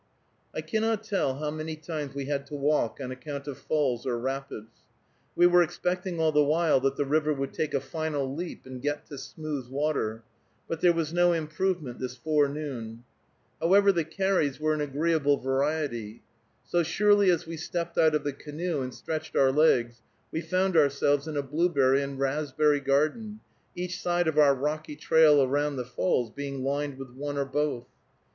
I cannot tell how many times we had to walk on account of falls or rapids. We were expecting all the while that the river would take a final leap and get to smooth water, but there was no improvement this forenoon. However, the carries were an agreeable variety. So surely as we stepped out of the canoe and stretched our legs we found ourselves in a blueberry and raspberry garden, each side of our rocky trail around the falls being lined with one or both.